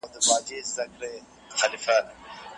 د کارګرانو مسلکي ظرفيت نه لوړيده.